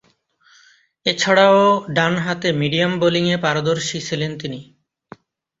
এছাড়াও, ডানহাতে মিডিয়াম বোলিংয়ে পারদর্শী ছিলেন তিনি।